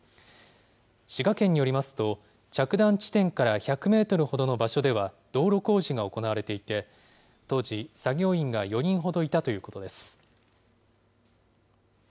滋賀県によりますと、着弾地点から１００メートルほどの場所では道路工事が行われていて、当時、作業員が４人ほどいたということです。